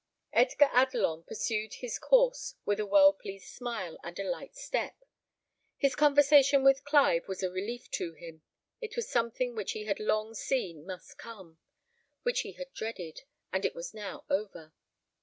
Edgar Adelon pursued his course with a well pleased smile and a light step. His conversation with Clive was a relief to him; it was something which he had long seen must come, which he had dreaded, and it was now over.